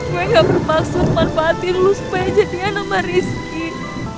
gue gak bermaksud manfaatin lu supaya jadi anak mariskin